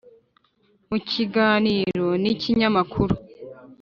mu kiganiro n’ikinyamakuru ,